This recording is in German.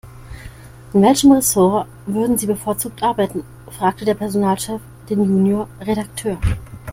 In welchem Ressort würden Sie bevorzugt arbeiten?, fragte der Personalchef den Junior-Redakteur.